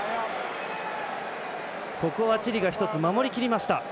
ここはチリが守りきりました。